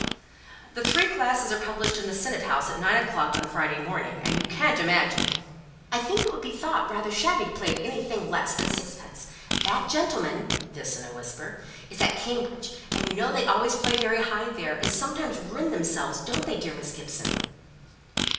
"The three classes are published in the Senate House at nine o'clock on the Friday morning, and you can't imagine " "I think it will be thought rather shabby to play at anything less than sixpence. That gentleman" (this in a whisper) "is at Cambridge, and you know they always play very high there, and sometimes ruin themselves, don't they, dear Miss Gibson?"